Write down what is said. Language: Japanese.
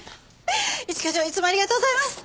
一課長いつもありがとうございます！